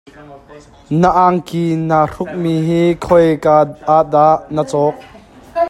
Na angki naa hruk mi hi khoi ka ahdah na cawk?